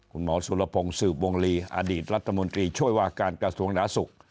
คุณหมอสุรพงศ์สืบวงลีอดีตรัฐมนตรีช่วยว่าการกระทรวงหนาสุข